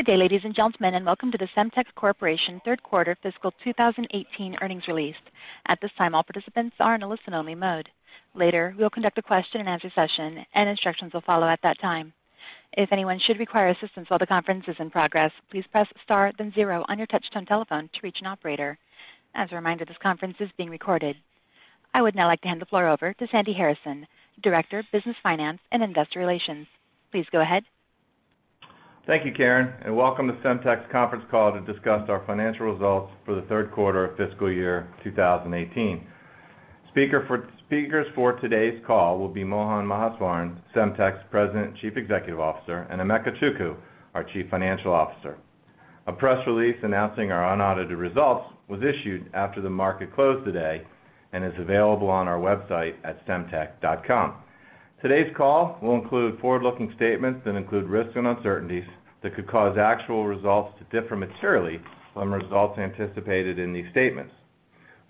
Good day, ladies and gentlemen, welcome to the Semtech Corporation third quarter fiscal 2018 earnings release. At this time, all participants are in a listen-only mode. Later, we'll conduct a question and answer session, instructions will follow at that time. If anyone should require assistance while the conference is in progress, please press star then zero on your touch-tone telephone to reach an operator. As a reminder, this conference is being recorded. I would now like to hand the floor over to Sandy Harrison, Director of Business Finance and Investor Relations. Please go ahead. Thank you, Karen, welcome to Semtech's conference call to discuss our financial results for the third quarter of fiscal year 2018. Speakers for today's call will be Mohan Maheswaran, Semtech's President and Chief Executive Officer, Emeka Chukwu, our Chief Financial Officer. A press release announcing our unaudited results was issued after the market closed today and is available on our website at semtech.com. Today's call will include forward-looking statements that include risks and uncertainties that could cause actual results to differ materially from results anticipated in these statements.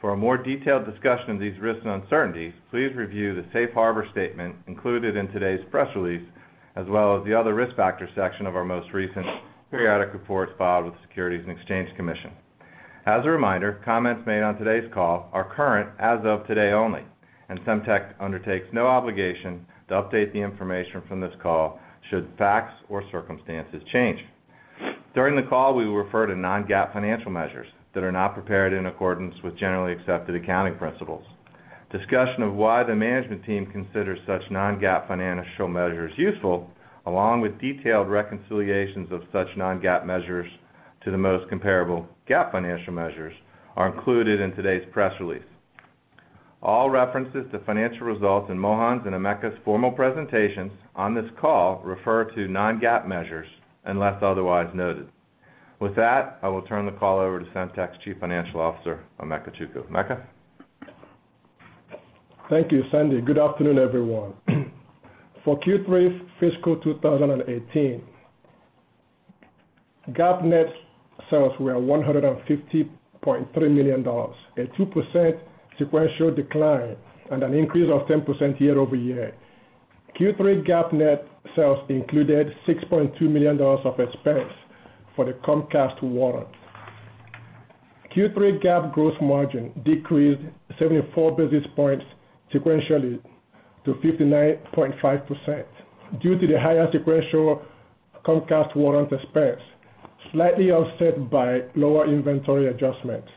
For a more detailed discussion of these risks and uncertainties, please review the safe harbor statement included in today's press release, as well as the other risk factors section of our most recent periodic reports filed with the Securities and Exchange Commission. As a reminder, comments made on today's call are current as of today only, Semtech undertakes no obligation to update the information from this call should facts or circumstances change. During the call, we will refer to non-GAAP financial measures that are not prepared in accordance with generally accepted accounting principles. Discussion of why the management team considers such non-GAAP financial measures useful, along with detailed reconciliations of such non-GAAP measures to the most comparable GAAP financial measures, are included in today's press release. All references to financial results in Mohan's and Emeka's formal presentations on this call refer to non-GAAP measures unless otherwise noted. With that, I will turn the call over to Semtech's Chief Financial Officer, Emeka Chukwu. Emeka? Thank you, Sandy. Good afternoon, everyone. For Q3 fiscal 2018, GAAP net sales were $150.3 million, a 2% sequential decline an increase of 10% year-over-year. Q3 GAAP net sales included $6.2 million of expense for the Comcast warrant. Q3 GAAP gross margin decreased 74 basis points sequentially to 59.5% due to the higher sequential Comcast warrant expense, slightly offset by lower inventory adjustments.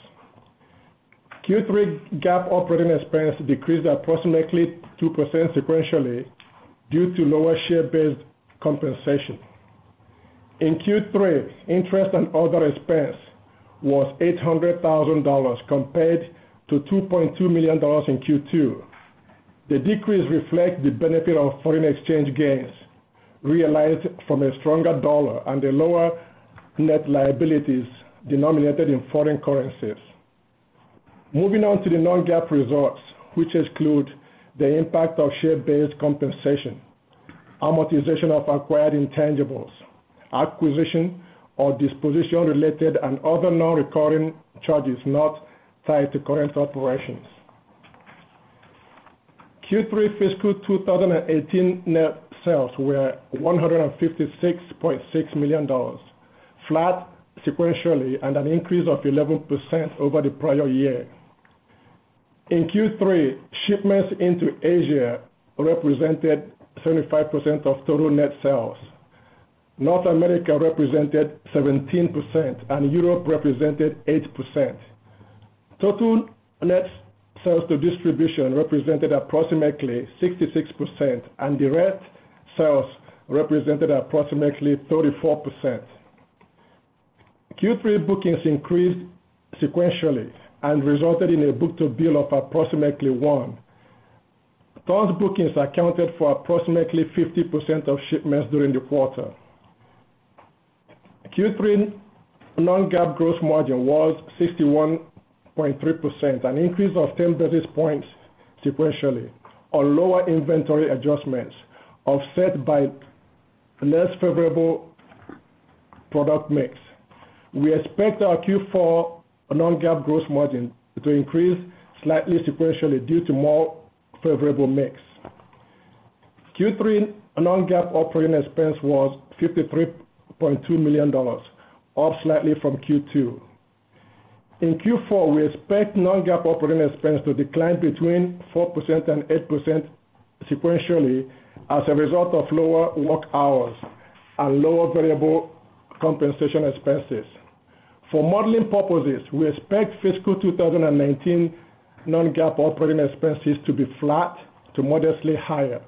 Q3 GAAP operating expense decreased approximately 2% sequentially due to lower share-based compensation. In Q3, interest and other expense was $800,000 compared to $2.2 million in Q2. The decrease reflects the benefit of foreign exchange gains realized from a stronger dollar and the lower net liabilities denominated in foreign currencies. Moving on to the non-GAAP results, which exclude the impact of share-based compensation, amortization of acquired intangibles, acquisition or disposition related and other non-recurring charges not tied to current operations. Q3 fiscal 2018 net sales were $156.6 million, flat sequentially and an increase of 11% over the prior year. In Q3, shipments into Asia represented 75% of total net sales. North America represented 17%, and Europe represented 8%. Total net sales to distribution represented approximately 66%, and direct sales represented approximately 34%. Q3 bookings increased sequentially and resulted in a book-to-bill of approximately one. Those bookings accounted for approximately 50% of shipments during the quarter. Q3 non-GAAP gross margin was 61.3%, an increase of 10 basis points sequentially on lower inventory adjustments offset by less favorable product mix. We expect our Q4 non-GAAP gross margin to increase slightly sequentially due to more favorable mix. Q3 non-GAAP operating expense was $53.2 million, up slightly from Q2. In Q4, we expect non-GAAP operating expense to decline between 4% and 8% sequentially as a result of lower work hours and lower variable compensation expenses. For modeling purposes, we expect fiscal 2019 non-GAAP operating expenses to be flat to modestly higher.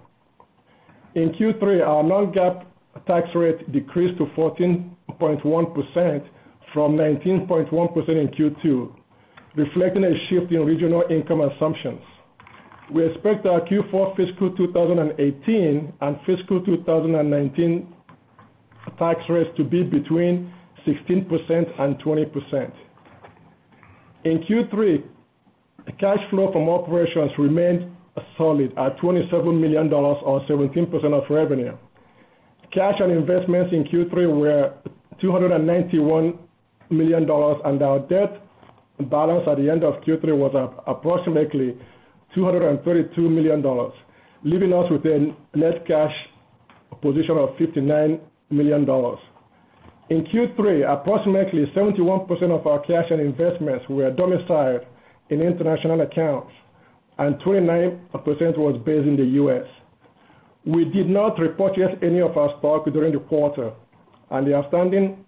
In Q3, our non-GAAP tax rate decreased to 14.1% from 19.1% in Q2, reflecting a shift in regional income assumptions. We expect our Q4 fiscal 2018 and fiscal 2019 tax rates to be between 16% and 20%. In Q3, cash flow from operations remained solid at $27 million or 17% of revenue. Cash and investments in Q3 were $291 million, and our debt. The balance at the end of Q3 was approximately $232 million, leaving us with a net cash position of $59 million. In Q3, approximately 71% of our cash and investments were domiciled in international accounts, and 29% was based in the U.S. We did not repurchase any of our stock during the quarter. The outstanding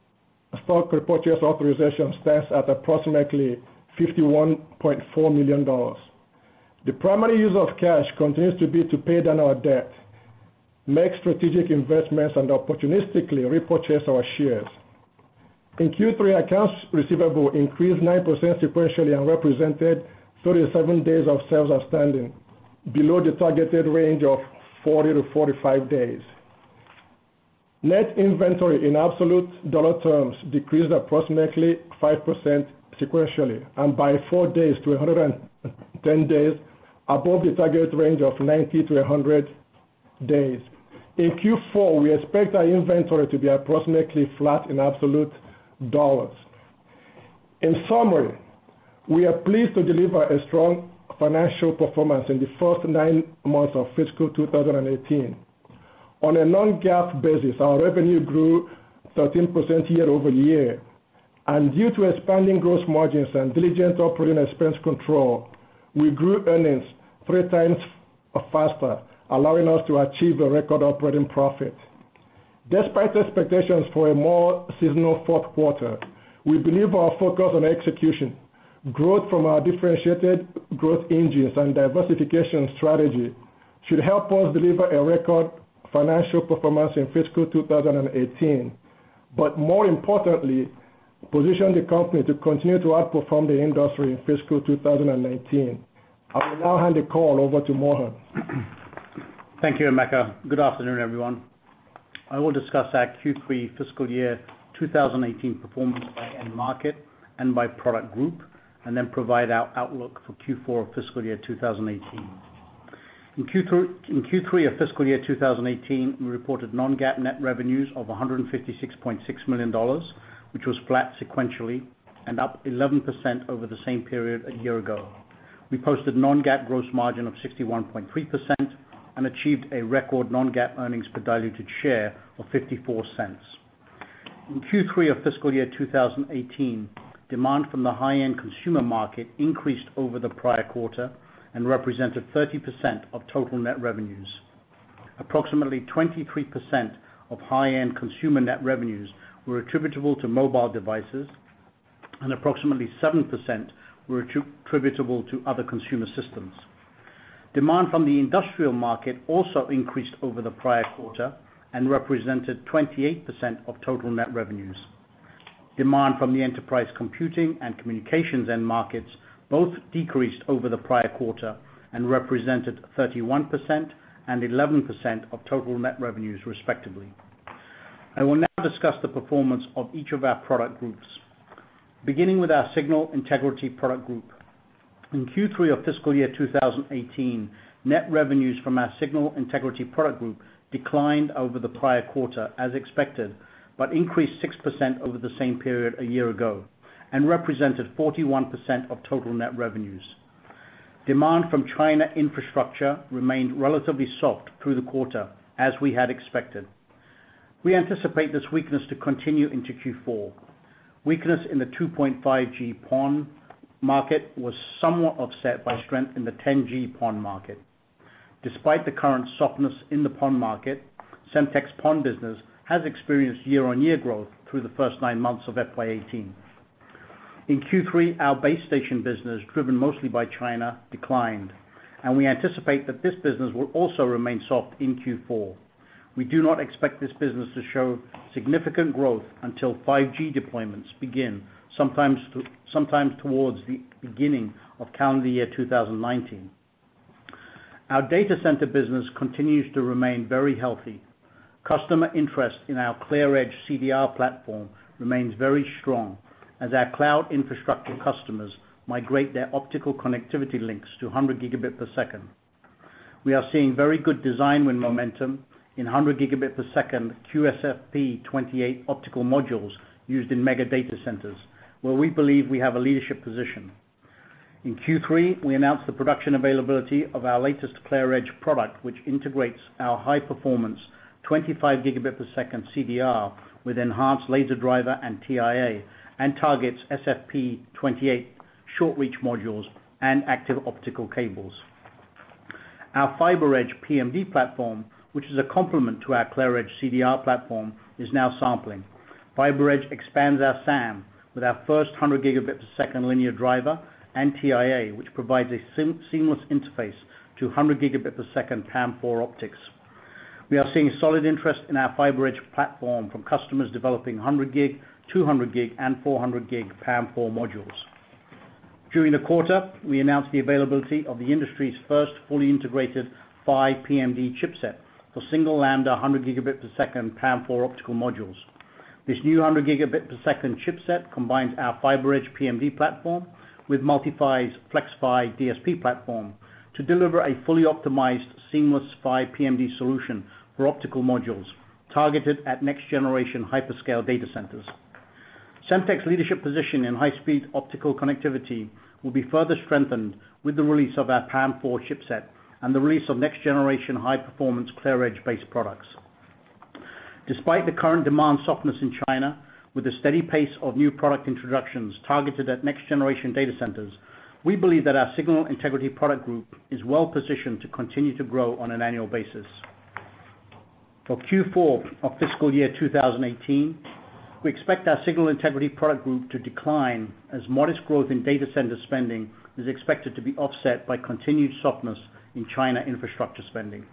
stock repurchase authorization stands at approximately $51.4 million. The primary use of cash continues to be to pay down our debt, make strategic investments, and opportunistically repurchase our shares. In Q3, accounts receivable increased 9% sequentially and represented 37 days of sales outstanding, below the targeted range of 40 to 45 days. Net inventory in absolute dollar terms decreased approximately 5% sequentially, and by four days to 110 days above the target range of 90 to 100 days. In Q4, we expect our inventory to be approximately flat in absolute dollars. In summary, we are pleased to deliver a strong financial performance in the first nine months of fiscal 2018. On a non-GAAP basis, our revenue grew 13% year-over-year. Due to expanding gross margins and diligent operating expense control, we grew earnings three times faster, allowing us to achieve a record operating profit. Despite expectations for a more seasonal fourth quarter, we believe our focus on execution, growth from our differentiated growth engines, and diversification strategy should help us deliver a record financial performance in fiscal 2018. More importantly, position the company to continue to outperform the industry in fiscal 2019. I will now hand the call over to Mohan. Thank you, Emeka. Good afternoon, everyone. I will discuss our Q3 fiscal year 2018 performance by end market and by product group, then provide our outlook for Q4 of fiscal year 2018. In Q3 of fiscal year 2018, we reported non-GAAP net revenues of $156.6 million, which was flat sequentially, and up 11% over the same period a year ago. We posted non-GAAP gross margin of 61.3% and achieved a record non-GAAP earnings per diluted share of $0.54. In Q3 of fiscal year 2018, demand from the high-end consumer market increased over the prior quarter and represented 30% of total net revenues. Approximately 23% of high-end consumer net revenues were attributable to mobile devices, and approximately 7% were attributable to other consumer systems. Demand from the industrial market also increased over the prior quarter and represented 28% of total net revenues. Demand from the enterprise computing and communications end markets both decreased over the prior quarter and represented 31% and 11% of total net revenues, respectively. I will now discuss the performance of each of our product groups. Beginning with our signal integrity product group. In Q3 of fiscal year 2018, net revenues from our signal integrity product group declined over the prior quarter, as expected, but increased 6% over the same period a year ago and represented 41% of total net revenues. Demand from China infrastructure remained relatively soft through the quarter, as we had expected. We anticipate this weakness to continue into Q4. Weakness in the 2.5G PON market was somewhat offset by strength in the 10G PON market. Despite the current softness in the PON market, Semtech's PON business has experienced year-on-year growth through the first nine months of FY 2018. In Q3, our base station business, driven mostly by China, declined, and we anticipate that this business will also remain soft in Q4. We do not expect this business to show significant growth until 5G deployments begin, sometime towards the beginning of calendar year 2019. Our data center business continues to remain very healthy. Customer interest in our ClearEdge CDR platform remains very strong as our cloud infrastructure customers migrate their optical connectivity links to 100 gigabit per second. We are seeing very good design win momentum in 100 gigabit per second QSFP28 optical modules used in mega data centers, where we believe we have a leadership position. In Q3, we announced the production availability of our latest ClearEdge product, which integrates our high-performance 25 gigabit per second CDR with enhanced laser driver and TIA, and targets SFP28 short-reach modules and active optical cables. Our FiberEdge PMD platform, which is a complement to our ClearEdge CDR platform, is now sampling. FiberEdge expands our SAM with our first 100 gigabit per second linear driver and TIA, which provides a seamless interface to 100 gigabit per second PAM4 optics. We are seeing solid interest in our FiberEdge platform from customers developing 100G, 200G, and 400G PAM4 modules. During the quarter, we announced the availability of the industry's first fully integrated five PMD chipset for single lambda 100 gigabit per second PAM4 optical modules. This new 100 gigabit per second chipset combines our FiberEdge PMD platform with MultiPhy's Flex5G DSP platform to deliver a fully optimized, seamless PHY/PMD solution for optical modules, targeted at next-generation hyperscale data centers. Semtech's leadership position in high-speed optical connectivity will be further strengthened with the release of our PAM4 chipset and the release of next generation high performance ClearEdge based products. Despite the current demand softness in China, with a steady pace of new product introductions targeted at next generation data centers, we believe that our signal integrity product group is well positioned to continue to grow on an annual basis. For Q4 of fiscal year 2018, we expect our signal integrity product group to decline as modest growth in data center spending is expected to be offset by continued softness in China infrastructure spending.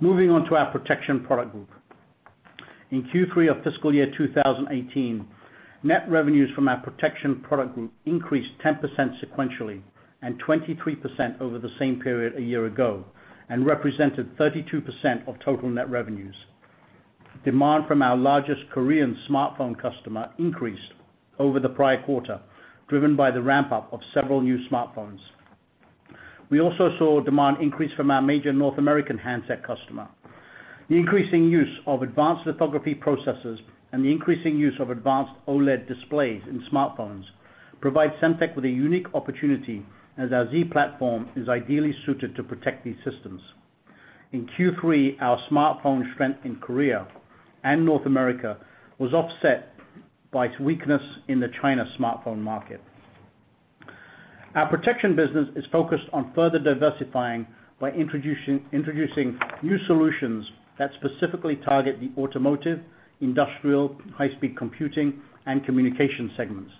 Moving on to our protection product group. In Q3 of fiscal year 2018, net revenues from our protection product group increased 10% sequentially, and 23% over the same period a year ago, and represented 32% of total net revenues. Demand from our largest Korean smartphone customer increased over the prior quarter, driven by the ramp-up of several new smartphones. We also saw demand increase from our major North American handset customer. The increasing use of advanced lithography processors and the increasing use of advanced OLED displays in smartphones provides Semtech with a unique opportunity as our Z-Platform is ideally suited to protect these systems. In Q3, our smartphone strength in Korea and North America was offset by weakness in the China smartphone market. Our protection business is focused on further diversifying by introducing new solutions that specifically target the automotive, industrial, high speed computing, and communication segments.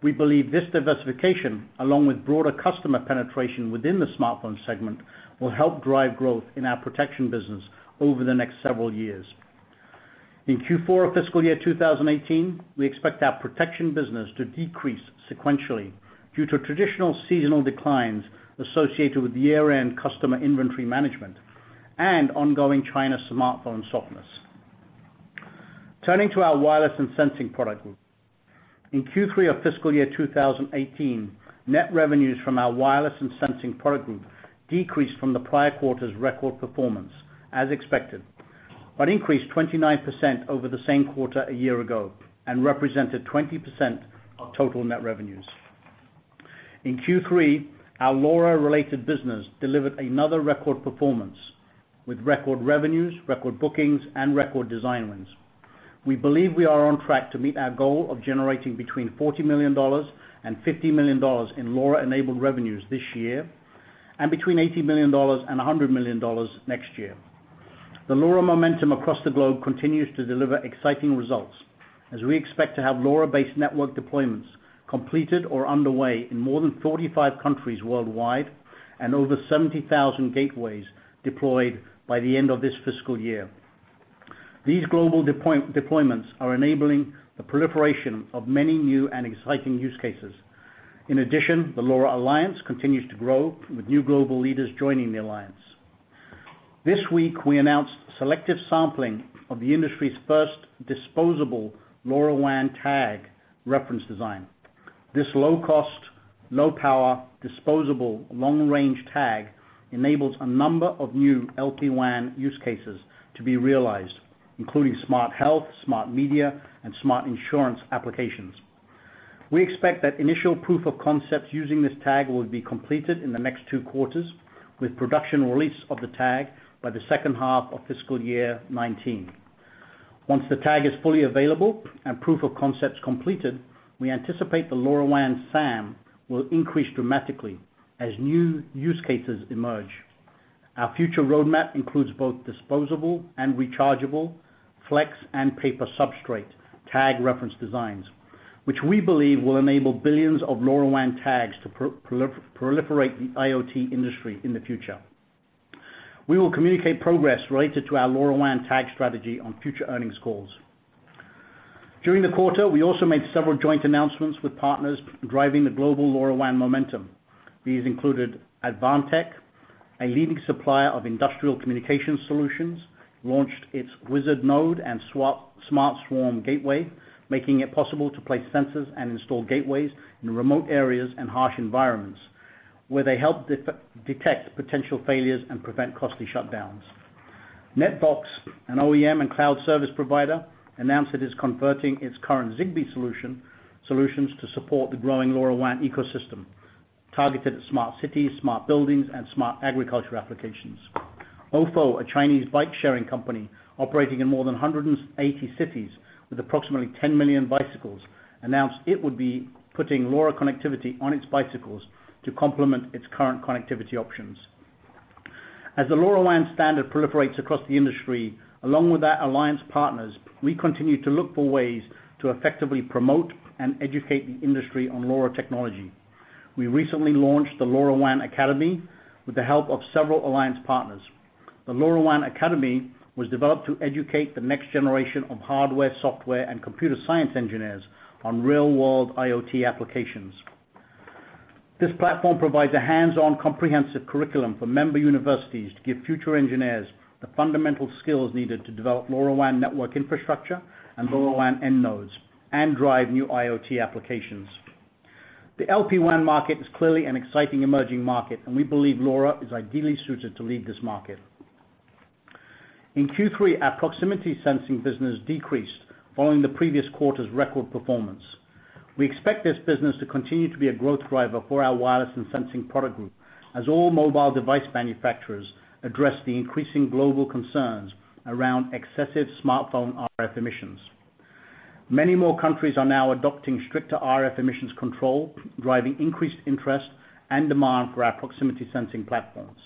We believe this diversification, along with broader customer penetration within the smartphone segment, will help drive growth in our protection business over the next several years. In Q4 of fiscal year 2018, we expect our protection business to decrease sequentially due to traditional seasonal declines associated with year-end customer inventory management and ongoing China smartphone softness. Turning to our wireless and sensing product group. In Q3 of fiscal year 2018, net revenues from our wireless and sensing product group decreased from the prior quarter's record performance, as expected, but increased 29% over the same quarter a year ago and represented 20% of total net revenues. In Q3, our LoRa-related business delivered another record performance with record revenues, record bookings, and record design wins. We believe we are on track to meet our goal of generating between $40 million and $50 million in LoRa-enabled revenues this year and between $80 million and $100 million next year. The LoRa momentum across the globe continues to deliver exciting results as we expect to have LoRa-based network deployments completed or underway in more than 45 countries worldwide and over 70,000 gateways deployed by the end of this fiscal year. These global deployments are enabling the proliferation of many new and exciting use cases. The LoRa Alliance continues to grow with new global leaders joining the alliance. This week, we announced selective sampling of the industry's first disposable LoRaWAN tag reference design. This low cost, low power, disposable long-range tag enables a number of new LPWAN use cases to be realized, including smart health, smart media, and smart insurance applications. We expect that initial proof of concepts using this tag will be completed in the next two quarters with production release of the tag by the second half of fiscal year 2019. Once the tag is fully available and proof of concept's completed, we anticipate the LoRaWAN SAM will increase dramatically as new use cases emerge. Our future roadmap includes both disposable and rechargeable flex and paper substrate tag reference designs, which we believe will enable billions of LoRaWAN tags to proliferate the IoT industry in the future. We will communicate progress related to our LoRaWAN tag strategy on future earnings calls. During the quarter, we also made several joint announcements with partners driving the global LoRaWAN momentum. These included Advantech, a leading supplier of industrial communication solutions, launched its Wzzard Node and SmartSwarm Gateway, making it possible to place sensors and install gateways in remote areas and harsh environments where they help detect potential failures and prevent costly shutdowns. Netbox, an OEM and cloud service provider, announced it is converting its current Zigbee solutions to support the growing LoRaWAN ecosystem targeted at smart cities, smart buildings, and smart agriculture applications. ofo, a Chinese bike-sharing company operating in more than 180 cities with approximately 10 million bicycles, announced it would be putting LoRa connectivity on its bicycles to complement its current connectivity options. As the LoRaWAN standard proliferates across the industry, along with our alliance partners, we continue to look for ways to effectively promote and educate the industry on LoRa technology. We recently launched the LoRaWAN Academy with the help of several alliance partners. The LoRaWAN Academy was developed to educate the next generation of hardware, software, and computer science engineers on real-world IoT applications. This platform provides a hands-on comprehensive curriculum for member universities to give future engineers the fundamental skills needed to develop LoRaWAN network infrastructure and LoRaWAN end nodes and drive new IoT applications. The LPWAN market is clearly an exciting emerging market, and we believe LoRa is ideally suited to lead this market. In Q3, our proximity sensing business decreased following the previous quarter's record performance. We expect this business to continue to be a growth driver for our wireless and sensing product group, as all mobile device manufacturers address the increasing global concerns around excessive smartphone RF emissions. Many more countries are now adopting stricter RF emissions control, driving increased interest and demand for our proximity sensing platforms.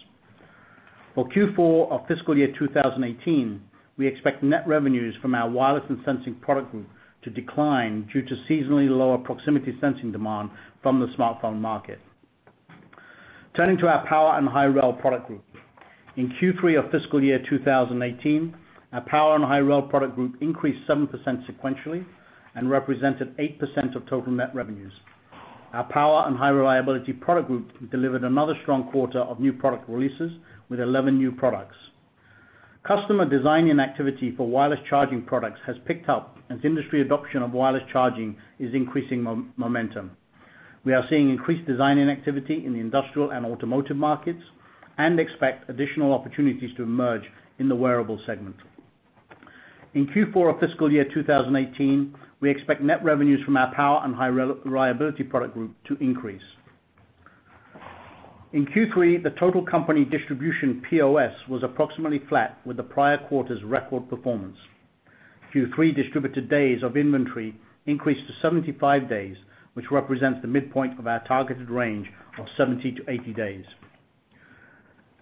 For Q4 of fiscal year 2018, we expect net revenues from our wireless and sensing product group to decline due to seasonally lower proximity sensing demand from the smartphone market. Turning to our power and high-rel product group. In Q3 of fiscal year 2018, our power and high-rel product group increased 7% sequentially and represented 8% of total net revenues. Our power and high-reliability product group delivered another strong quarter of new product releases with 11 new products. Customer design-in activity for wireless charging products has picked up as industry adoption of wireless charging is increasing momentum. We are seeing increased design-in activity in the industrial and automotive markets and expect additional opportunities to emerge in the wearable segment. In Q4 of fiscal year 2018, we expect net revenues from our power and high-reliability product group to increase. In Q3, the total company distribution POS was approximately flat with the prior quarter's record performance. Q3 distributor days of inventory increased to 75 days, which represents the midpoint of our targeted range of 70-80 days.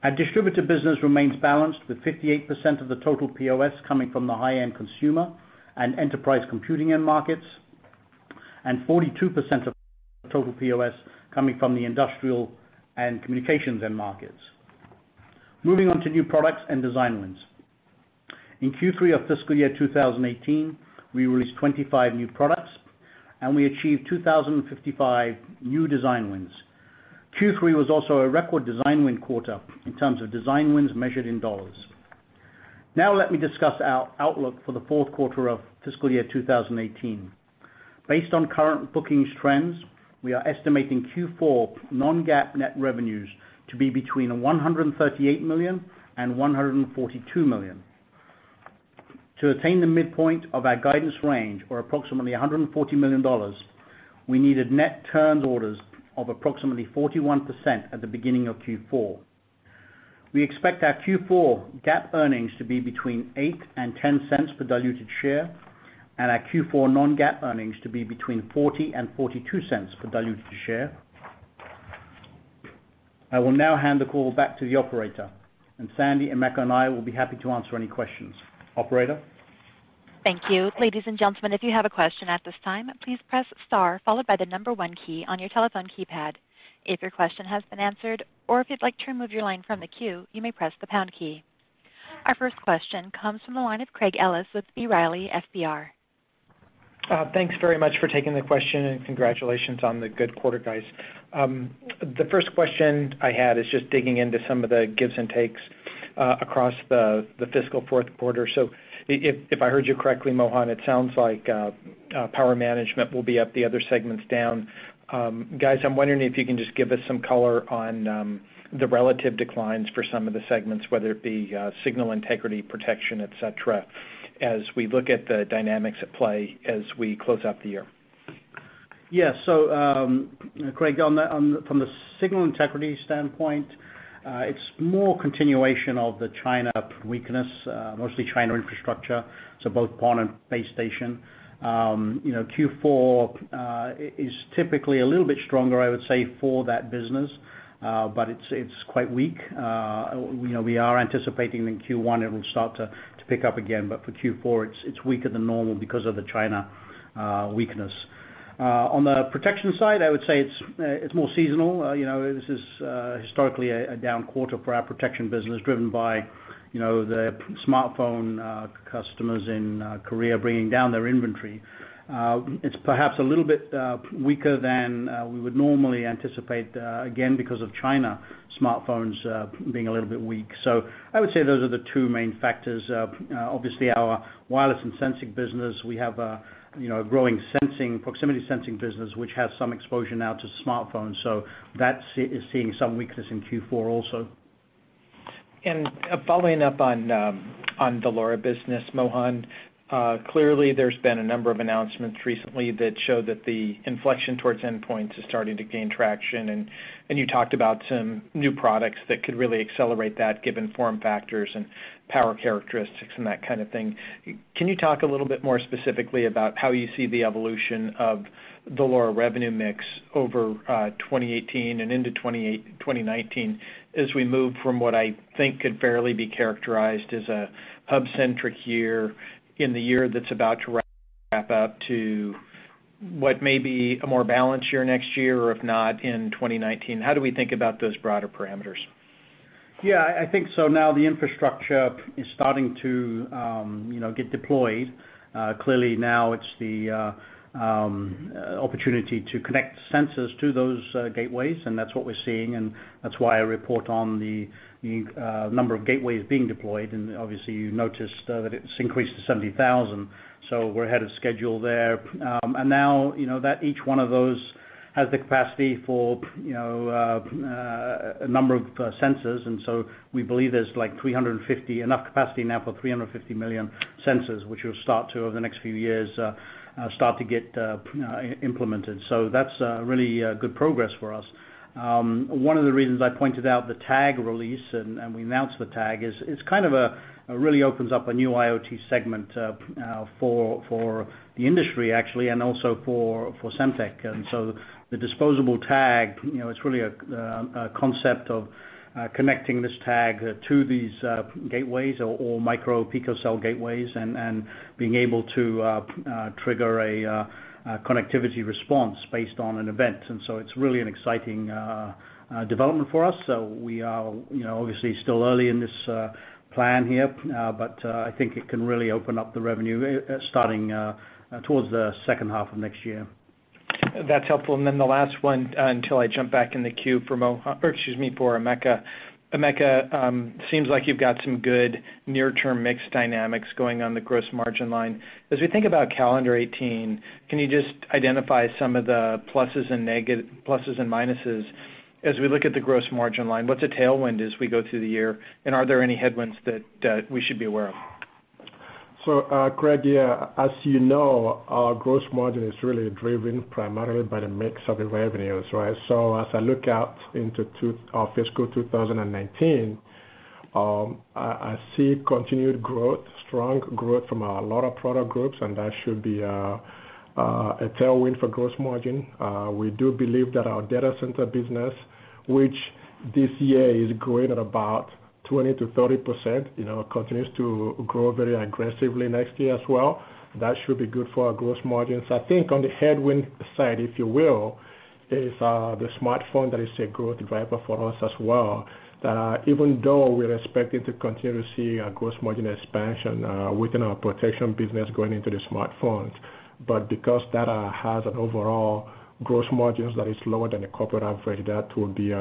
Our distributor business remains balanced with 58% of the total POS coming from the high-end consumer and enterprise computing end markets, 42% of total POS coming from the industrial and communications end markets. Moving on to new products and design wins. In Q3 of fiscal year 2018, we released 25 new products, we achieved 2,055 new design wins. Q3 was also a record design win quarter in terms of design wins measured in dollars. Let me discuss our outlook for the fourth quarter of fiscal year 2018. Based on current bookings trends, we are estimating Q4 non-GAAP net revenues to be between $138 million and $142 million. To attain the midpoint of our guidance range, or approximately $140 million, we needed net turned orders of approximately 41% at the beginning of Q4. We expect our Q4 GAAP earnings to be between $0.08 and $0.10 per diluted share, our Q4 non-GAAP earnings to be between $0.40 and $0.42 per diluted share. I will now hand the call back to the operator, Sandy, Emeka, and I will be happy to answer any questions. Operator? Thank you. Ladies and gentlemen, if you have a question at this time, please press star followed by the number 1 key on your telephone keypad. If your question has been answered, or if you'd like to remove your line from the queue, you may press the pound key. Our first question comes from the line of Craig Ellis with B. Riley FBR. Thanks very much for taking the question, congratulations on the good quarter, guys. The first question I had is just digging into some of the gives and takes across the fiscal fourth quarter. If I heard you correctly, Mohan, it sounds like power management will be up, the other segment's down. Guys, I'm wondering if you can just give us some color on the relative declines for some of the segments, whether it be signal integrity, protection, et cetera, as we look at the dynamics at play as we close out the year. Craig, from the signal integrity standpoint, it's more continuation of the China weakness, mostly China infrastructure, both PON and base station. Q4 is typically a little bit stronger, I would say, for that business, but it's quite weak. We are anticipating in Q1 it will start to pick up again, but for Q4, it's weaker than normal because of the China weakness. On the protection side, I would say it's more seasonal. This is historically a down quarter for our protection business, driven by the smartphone customers in Korea bringing down their inventory. It's perhaps a little bit weaker than we would normally anticipate, again, because of China smartphones being a little bit weak. I would say those are the two main factors. Obviously, our wireless and sensing business, we have a growing proximity sensing business, which has some exposure now to smartphones. That is seeing some weakness in Q4 also. Following up on the LoRa business, Mohan, clearly there's been a number of announcements recently that show that the inflection towards endpoints is starting to gain traction, and you talked about some new products that could really accelerate that given form factors and power characteristics and that kind of thing. Can you talk a little bit more specifically about how you see the evolution of the LoRa revenue mix over 2018 and into 2019 as we move from what I think could fairly be characterized as a hub-centric year in the year that's about to wrap up to what may be a more balanced year next year, or if not, in 2019? How do we think about those broader parameters? I think so. Now the infrastructure is starting to get deployed. Clearly now it's the opportunity to connect sensors to those gateways, and that's what we're seeing, and that's why I report on the number of gateways being deployed. Obviously you noticed that it's increased to 70,000. We're ahead of schedule there. Now, each one of those has the capacity for a number of sensors. We believe there's enough capacity now for 350 million sensors, which will, over the next few years, start to get implemented. That's really good progress for us. One of the reasons I pointed out the tag release, and we announced the tag, is it really opens up a new IoT segment for the industry, actually, and also for Semtech. The disposable tag, it's really a concept of connecting this tag to these gateways or micro picocell gateways and being able to trigger a connectivity response based on an event. It's really an exciting development for us. We are obviously still early in this plan here, but I think it can really open up the revenue starting towards the second half of next year. That's helpful. The last one until I jump back in the queue for Emeka. Emeka, seems like you've got some good near-term mix dynamics going on the gross margin line. As we think about calendar 2018, can you just identify some of the pluses and minuses as we look at the gross margin line? What's a tailwind as we go through the year, and are there any headwinds that we should be aware of? Craig, yeah. As you know, our gross margin is really driven primarily by the mix of the revenues, right? As I look out into our fiscal 2019, I see continued growth, strong growth from a lot of product groups, and that should be a tailwind for gross margin. We do believe that our data center business, which this year is growing at about 20%-30%, continues to grow very aggressively next year as well. That should be good for our gross margins. I think on the headwind side, if you will, is the smartphone that is a growth driver for us as well, that even though we're expecting to continue to see a gross margin expansion within our protection business going into the smartphones. Because that has an overall gross margins that is lower than the corporate average, that will be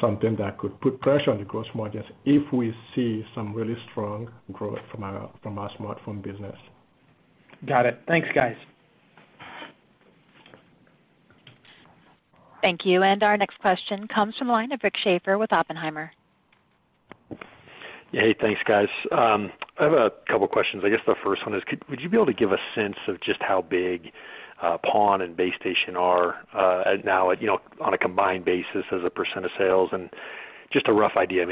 something that could put pressure on the gross margins if we see some really strong growth from our smartphone business. Got it. Thanks, guys. Thank you. Our next question comes from the line of Rick Schafer with Oppenheimer. Hey, thanks, guys. I have a couple questions. I guess the first one is, would you be able to give a sense of just how big PON and base station are now on a combined basis as a % of sales and just a rough idea?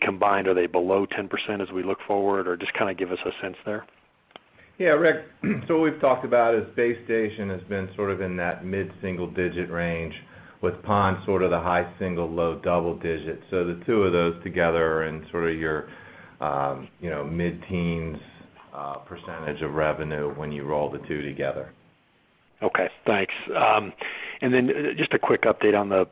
Combined, are they below 10% as we look forward? Just give us a sense there. Yeah, Rick. What we've talked about is base station has been sort of in that mid-single digit range with PON sort of the high single, low double digits. The two of those together are in sort of your mid-teens % of revenue when you roll the two together. Okay, thanks. Just a quick update on the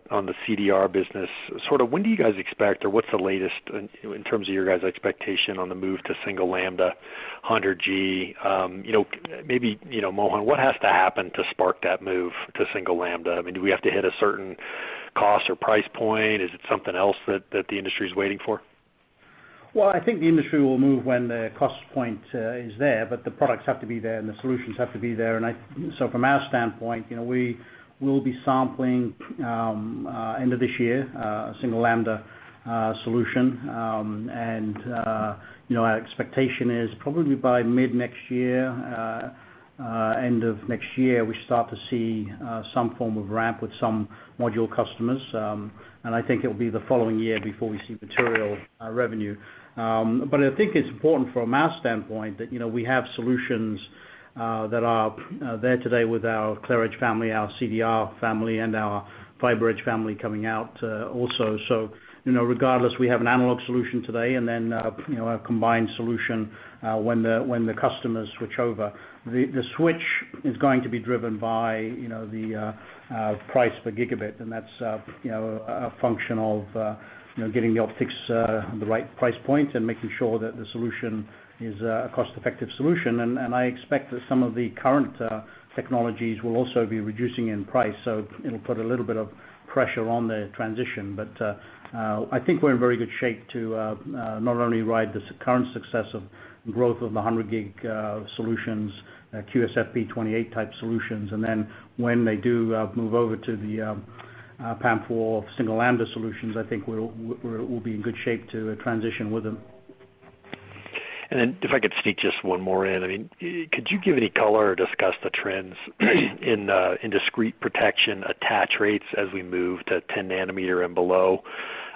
CDR business. When do you guys expect, or what's the latest in terms of your guys' expectation on the move to single lambda 100G? Maybe, Mohan, what has to happen to spark that move to single lambda? Do we have to hit a certain cost or price point? Is it something else that the industry's waiting for? Well, I think the industry will move when the cost point is there, the products have to be there, and the solutions have to be there. From our standpoint, we will be sampling end of this year a single lambda solution. Our expectation is probably by mid next year, end of next year, we start to see some form of ramp with some module customers. I think it will be the following year before we see material revenue. I think it's important from our standpoint that we have solutions that are there today with our ClearEdge family, our CDR family, and our FiberEdge family coming out also. Regardless, we have an analog solution today and then a combined solution when the customers switch over. The switch is going to be driven by the price per gigabit, that's a function of getting the optics the right price point and making sure that the solution is a cost-effective solution. I expect that some of the current technologies will also be reducing in price. It'll put a little bit of pressure on the transition. I think we're in very good shape to not only ride this current success of growth of the 100G solutions, QSFP28 type solutions, when they do move over to the PAM4 single lambda solutions, I think we'll be in good shape to transition with them. If I could sneak just one more in. Could you give any color or discuss the trends in discrete protection attach rates as we move to 10 nanometer and below?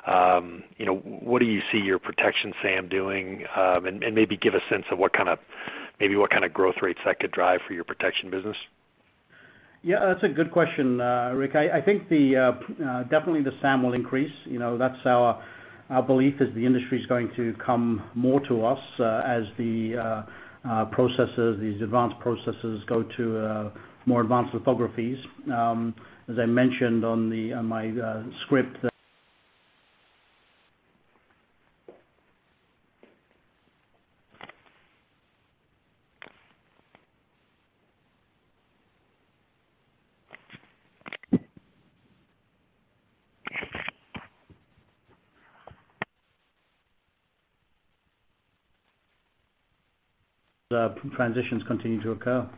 What do you see your protection SAM doing? Maybe give a sense of maybe what kind of growth rates that could drive for your protection business. Yeah, that's a good question, Rick. I think definitely the SAM will increase. That's our belief is the industry's going to come more to us as these advanced processes go to more advanced lithographies. As I mentioned on my script. The transitions continue to occur.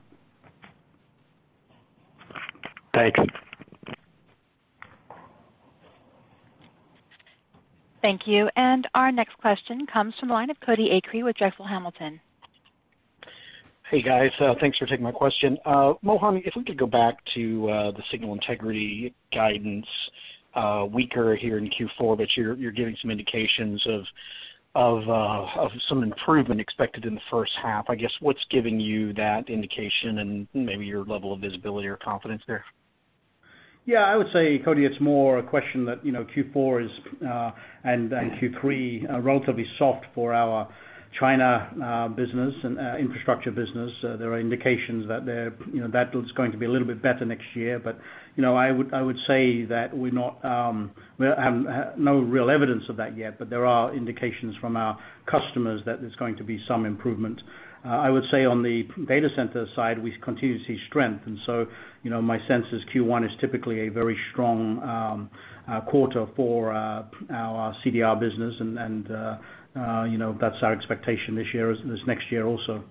Thank you. Thank you. Our next question comes from the line of Cody Acree Drexel Hamilton with Drexel Hamilton. Hey, guys. Thanks for taking my question. Mohan, if we could go back to the signal integrity guidance, weaker here in Q4, but you're giving some indications of some improvement expected in the first half. I guess, what's giving you that indication and maybe your level of visibility or confidence there? I would say, Cody, it's more a question that Q4 and Q3 are relatively soft for our China business and infrastructure business. There are indications that that one's going to be a little bit better next year. I would say that we have no real evidence of that yet, but there are indications from our customers that there's going to be some improvement. I would say on the data center side, we continue to see strength. My sense is Q1 is typically a very strong quarter for our CDR business, and that's our expectation this next year also.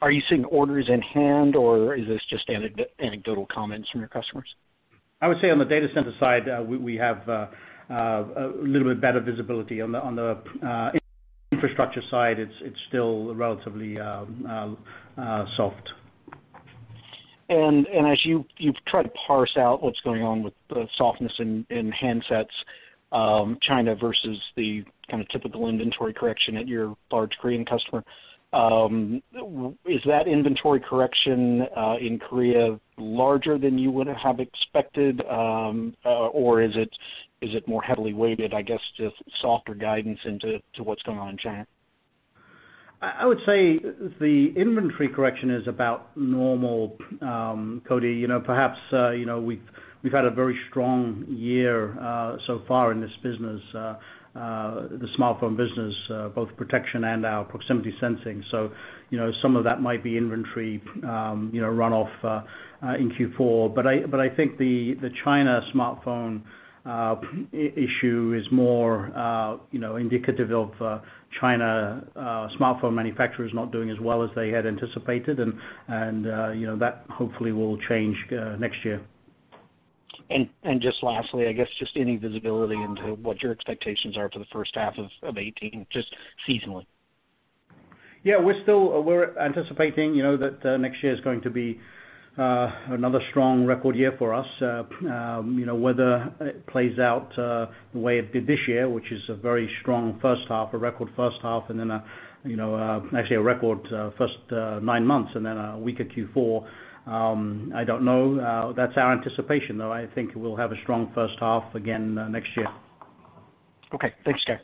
Are you seeing orders in hand, or is this just anecdotal comments from your customers? I would say on the data center side, we have a little bit better visibility. On the infrastructure side, it's still relatively soft. As you've tried to parse out what's going on with the softness in handsets, China versus the kind of typical inventory correction at your large Korean customer, is that inventory correction in Korea larger than you would have expected? Or is it more heavily weighted, I guess, just softer guidance into what's going on in China? I would say the inventory correction is about normal, Cody. Perhaps we've had a very strong year so far in this business, the smartphone business, both protection and our proximity sensing. some of that might be inventory runoff in Q4. I think the China smartphone issue is more indicative of China smartphone manufacturers not doing as well as they had anticipated, and that hopefully will change next year. just lastly, I guess just any visibility into what your expectations are for the first half of 2018, just seasonally. We're anticipating that next year is going to be another strong record year for us. Whether it plays out the way it did this year, which is a very strong first half, a record first half, actually a record first nine months, and then a weaker Q4, I don't know. That's our anticipation, though. I think we'll have a strong first half again next year. Okay. Thanks, guys.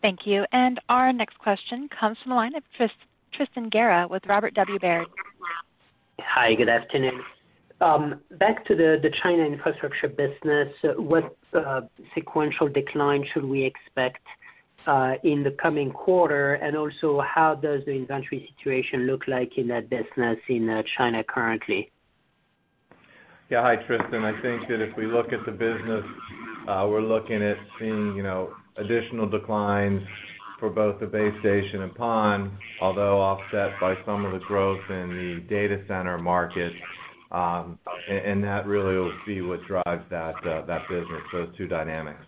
Thank you. Our next question comes from the line of Tristan Gerra with Robert W. Baird. Hi, good afternoon. Back to the China infrastructure business, what sequential decline should we expect in the coming quarter? Also, how does the inventory situation look like in that business in China currently? Hi, Tristan. I think that if we look at the business, we're looking at seeing additional declines for both the base station and PON, although offset by some of the growth in the data center market. That really will be what drives that business, those two dynamics.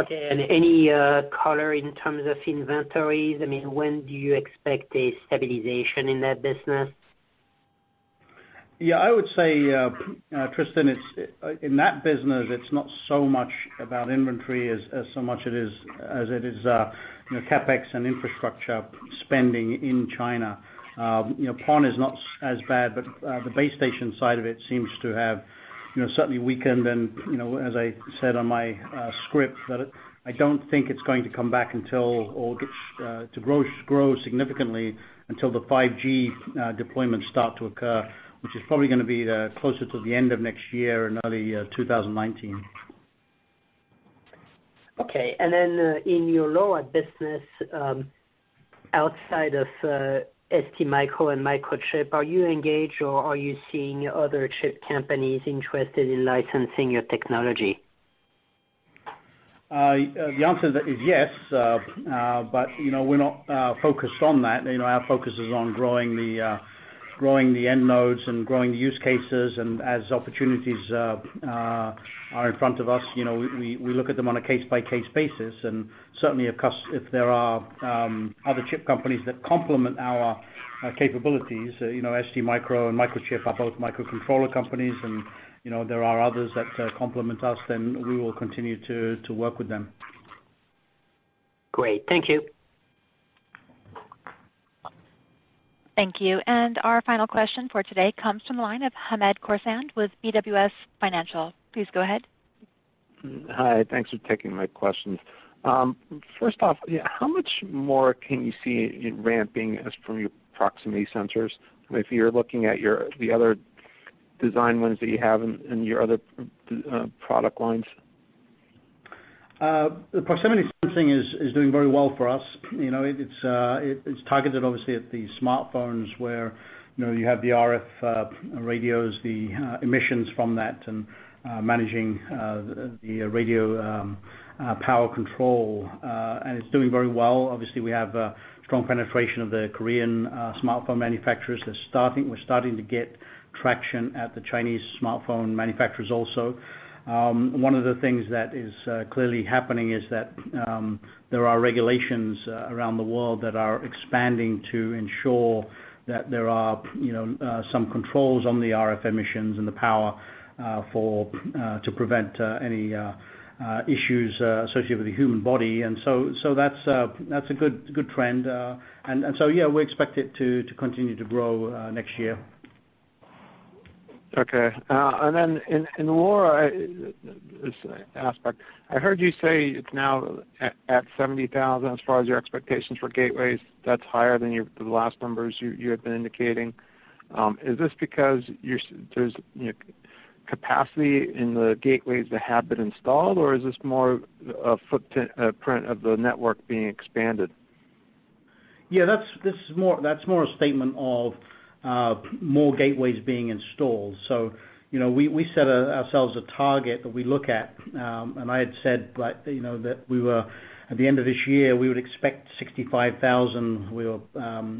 Okay, any color in terms of inventories? When do you expect a stabilization in that business? Yeah, I would say, Tristan, in that business, it's not so much about inventory as so much as it is CapEx and infrastructure spending in China. PON is not as bad, but the base station side of it seems to have certainly weakened. As I said on my script, that I don't think it's going to come back to grow significantly until the 5G deployments start to occur, which is probably going to be closer to the end of next year and early 2019. Okay, in your LoRa business, outside of STMicro and Microchip, are you engaged or are you seeing other chip companies interested in licensing your technology? The answer to that is yes, but we're not focused on that. Our focus is on growing the end nodes and growing the use cases. As opportunities are in front of us, we look at them on a case-by-case basis. Certainly, of course, if there are other chip companies that complement our capabilities, STMicro and Microchip are both microcontroller companies, and there are others that complement us, then we will continue to work with them. Great. Thank you. Thank you. Our final question for today comes from the line of Hamed Khorsand with BWS Financial. Please go ahead. Hi. Thanks for taking my questions. First off, how much more can you see ramping as from your proximity sensors? If you're looking at the other Design wins that you have in your other product lines? The proximity sensing is doing very well for us. It's targeted, obviously, at the smartphones where you have the RF radios, the emissions from that, and managing the radio power control. It's doing very well. Obviously, we have a strong penetration of the Korean smartphone manufacturers. We're starting to get traction at the Chinese smartphone manufacturers also. One of the things that is clearly happening is that there are regulations around the world that are expanding to ensure that there are some controls on the RF emissions and the power to prevent any issues associated with the human body. That's a good trend. So, yeah, we expect it to continue to grow next year. Okay. Then in LoRa, this aspect, I heard you say it's now at 70,000 as far as your expectations for gateways. That's higher than the last numbers you had been indicating. Is this because there's capacity in the gateways that have been installed, or is this more a footprint of the network being expanded? That's more a statement of more gateways being installed. We set ourselves a target that we look at, and I had said that at the end of this year, we would expect 65,000.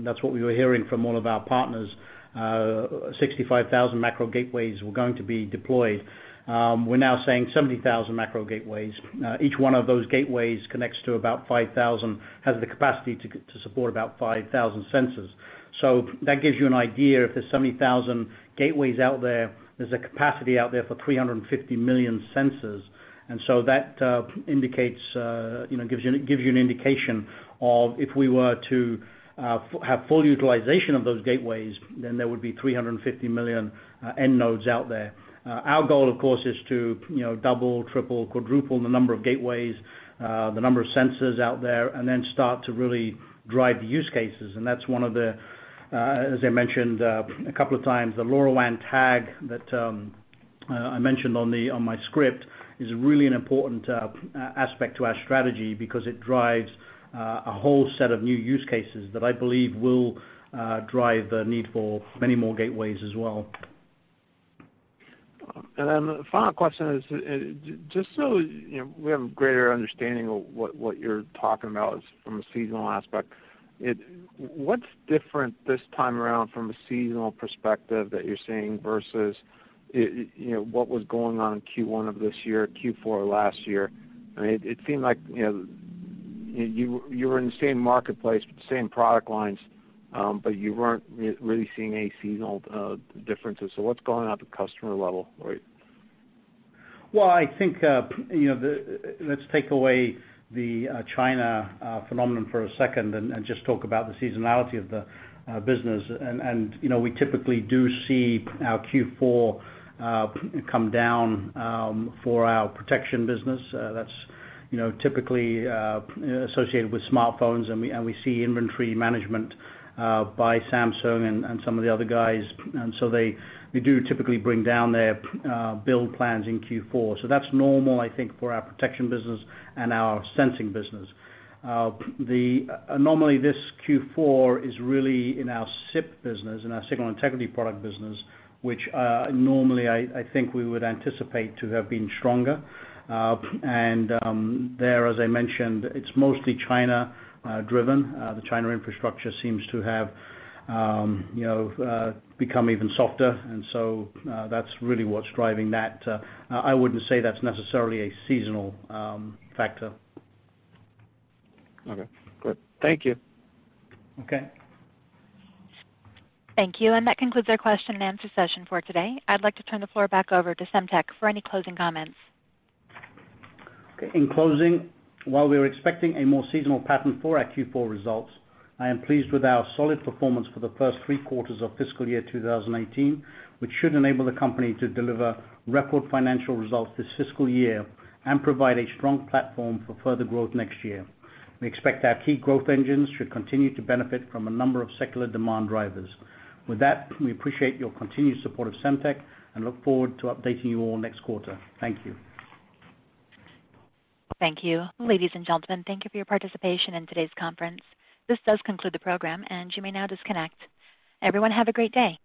That's what we were hearing from all of our partners. 65,000 macro gateways were going to be deployed. We're now saying 70,000 macro gateways. Each one of those gateways connects to about 5,000, has the capacity to support about 5,000 sensors. That gives you an idea. If there's 70,000 gateways out there's a capacity out there for 350 million sensors. That gives you an indication of if we were to have full utilization of those gateways, then there would be 350 million end nodes out there. Our goal, of course, is to double, triple, quadruple the number of gateways, the number of sensors out there, and then start to really drive the use cases. That's one of the, as I mentioned a couple of times, the LoRaWAN tag that I mentioned on my script is really an important aspect to our strategy because it drives a whole set of new use cases that I believe will drive the need for many more gateways as well. The final question is, just so we have a greater understanding of what you're talking about from a seasonal aspect, what's different this time around from a seasonal perspective that you're seeing versus what was going on in Q1 of this year, Q4 of last year? It seemed like you were in the same marketplace with the same product lines, but you weren't really seeing any seasonal differences. What's going on at the customer level [right now]? Well, I think let's take away the China phenomenon for a second and just talk about the seasonality of the business. We typically do see our Q4 come down for our protection business. That's typically associated with smartphones, and we see inventory management by Samsung and some of the other guys. They do typically bring down their build plans in Q4. That's normal, I think, for our protection business and our sensing business. The anomaly this Q4 is really in our SIP business, in our signal integrity product business, which normally I think we would anticipate to have been stronger. There, as I mentioned, it's mostly China-driven. The China infrastructure seems to have become even softer, that's really what's driving that. I wouldn't say that's necessarily a seasonal factor. Okay, good. Thank you. Okay. Thank you. That concludes our question and answer session for today. I'd like to turn the floor back over to Semtech for any closing comments. Okay. In closing, while we are expecting a more seasonal pattern for our Q4 results, I am pleased with our solid performance for the first three quarters of fiscal year 2018, which should enable the company to deliver record financial results this fiscal year and provide a strong platform for further growth next year. We expect our key growth engines should continue to benefit from a number of secular demand drivers. With that, we appreciate your continued support of Semtech and look forward to updating you all next quarter. Thank you. Thank you. Ladies and gentlemen, thank you for your participation in today's conference. This does conclude the program, and you may now disconnect. Everyone, have a great day.